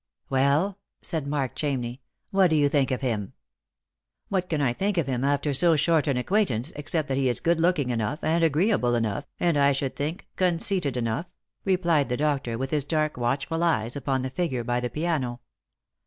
" Well," said Mark Chamney, " what do you think of him P "" What can I think of him after so short an acquaintance 4>4t Lost for Love. except that he is good looking enough, and agreeable enough, and, I should think, conceited enough ?" replied the doctor, •with his dark watchful eyes upon the figure by the piano.